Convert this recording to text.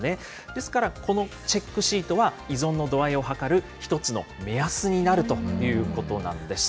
ですから、このチェックシートは依存の度合いを測る１つの目安になるということなんです。